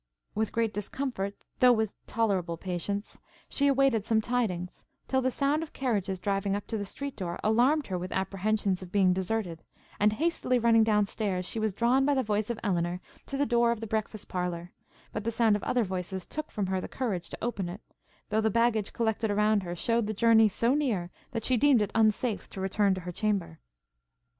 With great discomfort, though with tolerable patience, she awaited some tidings, till the sound of carriages driving up to the street door, alarmed her with apprehensions of being deserted, and, hastily running down stairs, she was drawn by the voice of Elinor to the door of the breakfast parlour; but the sound of other voices took from her the courage to open it, though the baggage collected around her shewed the journey so near, that she deemed it unsafe to return to her chamber.